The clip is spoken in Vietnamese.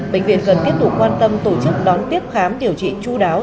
bệnh viện cần tiếp tục quan tâm tổ chức đón tiếp khám điều trị chú đáo